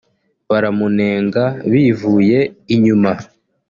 baramunenga bivuye inyuma